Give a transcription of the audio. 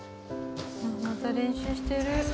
また練習してる。